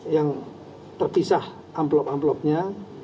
yang terpisah amplop amplopnya